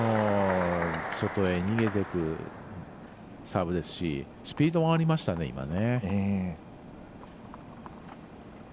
外へ逃げていくサーブですしスピードもありましたね、今ね。